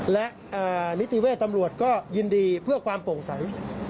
และนิติเวทย์ตำรวจก็ยินดีเพื่อความโปร่งใส